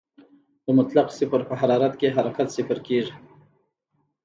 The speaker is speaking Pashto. د مطلق صفر په حرارت کې حرکت صفر کېږي.